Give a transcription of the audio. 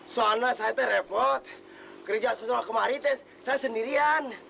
soalnya saya repot kerja saya selalu kemarin saya sendirian